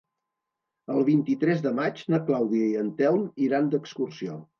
El vint-i-tres de maig na Clàudia i en Telm iran d'excursió.